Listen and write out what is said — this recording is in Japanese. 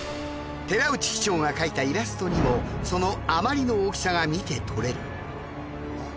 寺内機長が描いたイラストにもそのあまりの大きさが見て取れる。